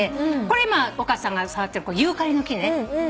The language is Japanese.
これ今岡さんが触ってるのユーカリの木ね。